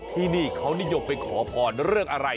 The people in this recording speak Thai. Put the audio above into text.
ที่นี่เขานิยมไปขอพรเรื่องอะไร